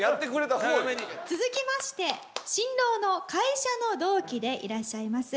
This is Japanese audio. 続きまして新郎の会社の同期でいらっしゃいます